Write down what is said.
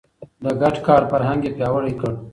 د ګډ کار فرهنګ يې پياوړی کړ.